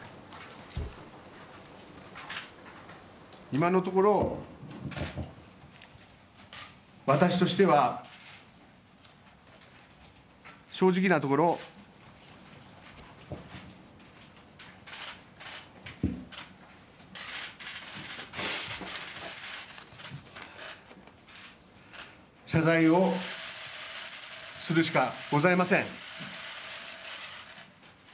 今のところ、私としては正直なところ謝罪をするしかございません。